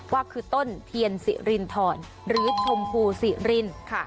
ว่าคือต้นเทียนสิรินทรหรือชมพูสิรินค่ะ